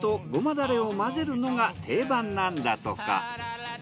だれを混ぜるのが定番なんだとか。